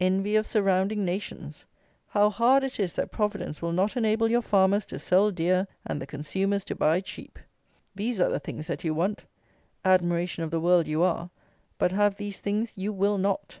"Envy of surrounding nations," how hard it is that Providence will not enable your farmers to sell dear and the consumers to buy cheap! These are the things that you want. Admiration of the world you are; but have these things you will not.